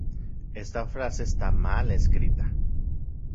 Ano sanenka matiyoltokan